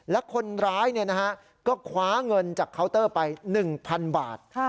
และคนร้ายก็คว้าเงินจากเคาน์เตอร์ไป๑๐๐๐บาท